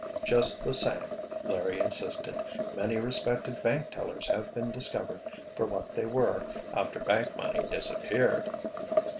"Just the same," Larry insisted, "many respected bank tellers have been discovered for what they were after bank money disappeared."